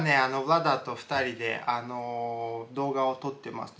ヴラダと２人で動画を撮ってます。